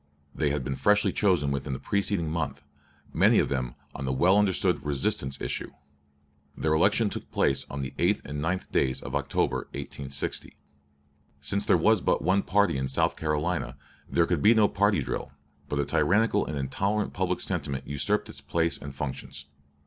They had been freshly chosen within the preceding month; many of them on the well understood "resistance" issue. Their election took place on the 8th and 9th days of October, 1860. Since there was but one party in South Carolina, there could be no party drill; but a tyrannical and intolerant public sentiment usurped its place and functions.